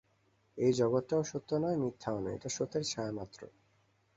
এই জগৎটা সত্যও নয়, মিথ্যাও নয়, এটা সত্যের ছায়ামাত্র।